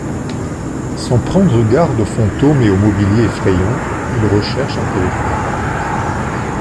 Sans prendre garde aux fantômes et au mobilier effrayant, il recherche un téléphone.